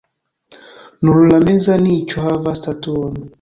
Nur la meza niĉo havas statuon.